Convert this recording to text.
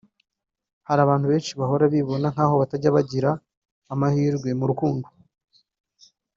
Hari abantu benshi bahora bibona nk’aho batajya bagira amahirwe mu rukundo